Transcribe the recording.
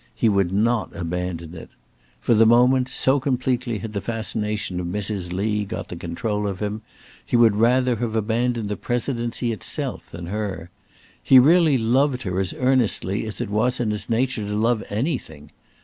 He would not abandon it. For the moment, so completely had the fascination of Mrs. Lee got the control of him, he would rather have abandoned the Presidency itself than her. He really loved her as earnestly as it was in his nature to love anything.